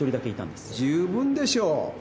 十分でしょう。